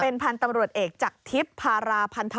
เป็นทันตำรวจเอกจักทธิพย์ภาราพันธกุล